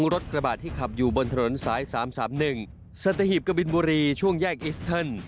รถกระบาดที่ขับอยู่บนถนนสาย๓๓๑สัตหีบกบินบุรีช่วงแยกอิสเทิร์น